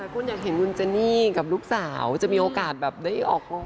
คุณอยากเห็นคุณเจนี่กับลูกสาวจะมีโอกาสแบบได้ออกโรง